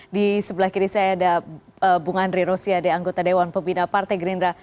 di sebelah kiri saya ada bung andri rosiade anggota dewan pembina partai gerindra